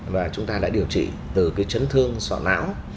và chúng ta đã điều trị từ cái chấn thương sọ não